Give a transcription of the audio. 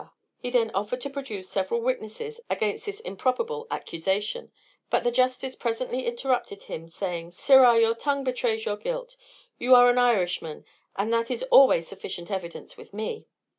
He then offered to produce several witnesses against this improbable accusation; but the justice presently interrupted him, saying, "Sirrah, your tongue betrays your guilt. You are an Irishman, and that is always sufficient evidence with me."